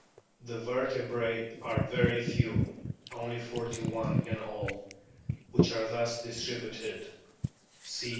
The vertebrae are very few, only forty one in all, which are thus distributed : C.